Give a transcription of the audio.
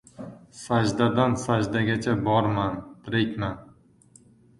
Sajdadan sajdagacha borman, tirikman